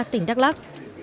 tỉnh đắk lắc